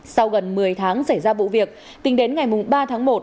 sau gần một mươi tháng xảy ra vụ việc tính đến ngày ba tháng một